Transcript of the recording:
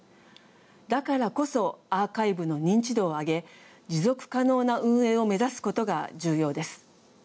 だからこそアーカイブの認知度を上げ持続可能な運営を目指すことが重要です。